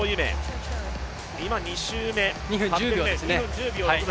今、２周目２分１０秒６７。